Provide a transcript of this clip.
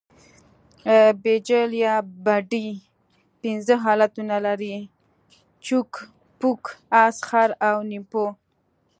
بیجل یا بډۍ پنځه حالتونه لري؛ چوک، پوک، اس، خر او نیمپو.